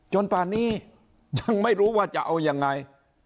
ป่านนี้ยังไม่รู้ว่าจะเอายังไง